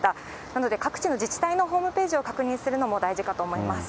なので、各地の自治体のホームページを確認するのも大事かと思います。